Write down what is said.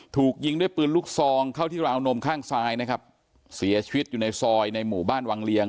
ถูกยิงด้วยปืนลูกซองเข้าที่ราวนมข้างซ้ายนะครับเสียชีวิตอยู่ในซอยในหมู่บ้านวังเลียง